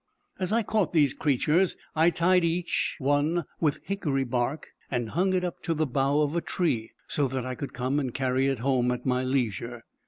As I caught these creatures, I tied each one with hickory bark, and hung it up to the bough of a tree, so that I could come and carry it home at my leisure.